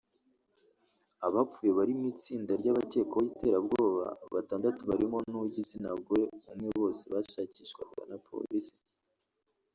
Abapfuye bari mu itsinda ry’abakwekwaho iterabwoba batandatu barimo n’uw’igitsinagore umwe bose bashakishwaga na Polisi